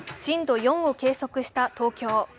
震度４を計測した東京。